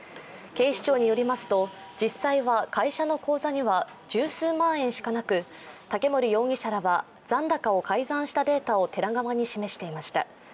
警視庁によりますと、実際は会社の口座には十数万円しかなく竹森容疑者らは残高を改ざんしたデータをテラ側に示していました。